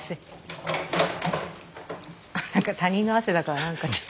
なんか他人の汗だからなんかちょっと。